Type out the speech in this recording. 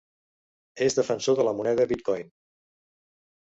És defensor de la moneda Bitcoin.